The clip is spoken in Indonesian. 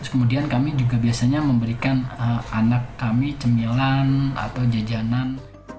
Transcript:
kemudian kami juga biasanya memberikan anak kami cemilan atau jajanan